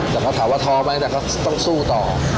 แต่เขาถามว่าท้อไหมแต่เขาต้องสู้ต่อ